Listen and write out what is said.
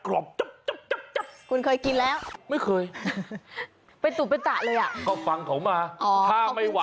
รสชาติว่านมาก